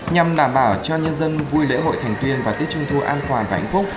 nhằm đảm bảo cho nhân dân vui lễ hội thành tuyên và tết trung thu an toàn và hạnh phúc